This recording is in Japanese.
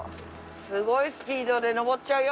すごいスピードで登っちゃうよ